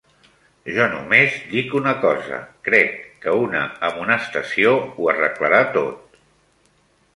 Jo només dic una cosa, crec que una amonestació ho arreglarà tot.